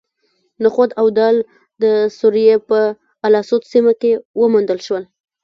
نخود او دال د سوریې په الاسود سیمه کې وموندل شول.